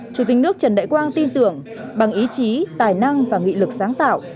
chủ tịch nước trần đại quang tin tưởng bằng ý chí tài năng và nghị lực sáng tạo